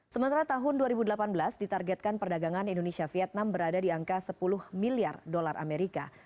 sementara tahun dua ribu delapan belas ditargetkan perdagangan indonesia vietnam berada di angka sepuluh miliar dolar amerika